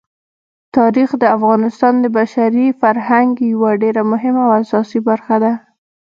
تاریخ د افغانستان د بشري فرهنګ یوه ډېره مهمه او اساسي برخه ده.